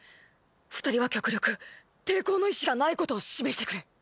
二人は極力抵抗の意思がないことを示してくれ！